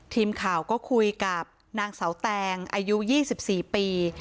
ทีมข่าวก็คุยกับนางเสาแตงอายุ๒๔ปี